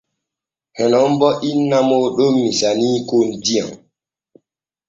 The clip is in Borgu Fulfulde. En non bo inna mooɗon misaniikon diyam.